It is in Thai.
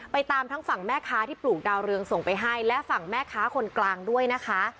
ตามทั้งฝั่งแม่ค้าที่ปลูกดาวเรืองส่งไปให้และฝั่งแม่ค้าคนกลางด้วยนะคะ